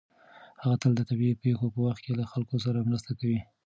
هغه تل د طبیعي پېښو په وخت کې له خلکو سره مرسته کوي.